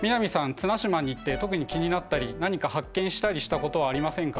綱島に行って特に気になったり何か発見したりしたことはありませんか？